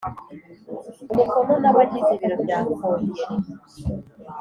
umukono n abagize ibiro bya Kongere